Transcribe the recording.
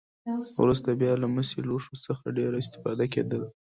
وروسته بیا له مسي لوښو څخه ډېره استفاده کېدله.